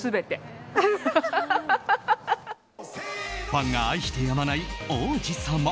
ファンが愛してやまない王子様。